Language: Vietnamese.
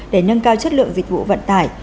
để nâng cao chất lượng dịch vụ vận tải